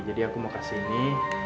jadi aku mau kasih ini